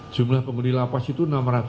jumlah pemuli lapas itu enam ratus sembilan puluh